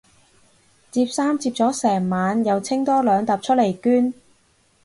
摺衫摺咗成晚又清多兩疊出嚟捐